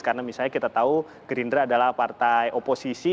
karena misalnya kita tahu gerindra adalah partai oposisi